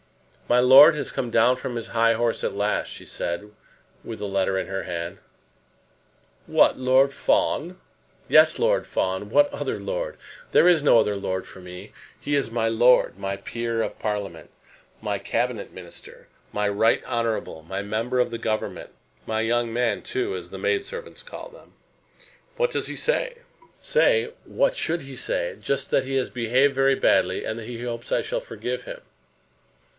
"My lord has come down from his high horse at last," she said, with the letter in her hand. "What, Lord Fawn?" "Yes; Lord Fawn. What other lord? There is no other lord for me. He is my lord, my peer of Parliament, my Cabinet minister, my right honourable, my member of the Government, my young man, too, as the maid servants call them." "What does he say?" "Say; what should he say? just that he has behaved very badly, and that he hopes I shall forgive him."